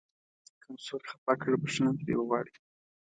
که مو څوک خفه کړ بښنه ترې وغواړئ.